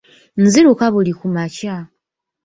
Nziruka buli kumakya.